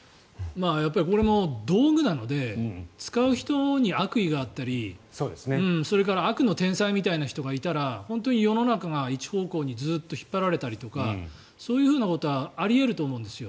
やっぱりこれも道具なので使う人に悪意があったりそれから悪の天才みたいな人がいたら本当に世の中が一方向にずっと引っ張られたりとかそういうことはあり得ると思うんですよ。